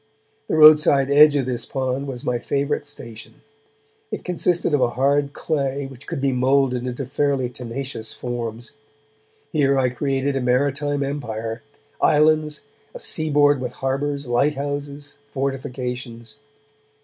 The roadside edge of this pond was my favourite station; it consisted of a hard clay which could be moulded into fairly tenacious forms. Here I created a maritime empire islands, a seaboard with harbours, light houses, fortifications.